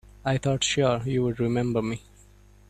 I thought sure you'd remember me.